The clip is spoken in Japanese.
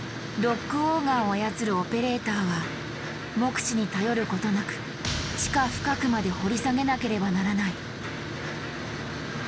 ロックオーガーを操るオペレーターは目視に頼ることなく地下深くまで掘り下げなければならない。